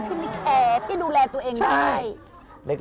พี่ไม่แคร์พี่ดูแลตัวเองได้ไหม